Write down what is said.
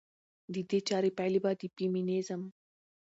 د دې چارې پايلې به د فيمينزم